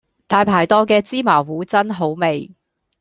大排檔嘅芝麻糊真好味